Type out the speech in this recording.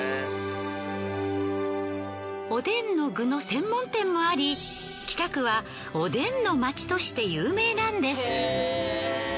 おでんの具の専門店もあり北区はおでんの街として有名なんです。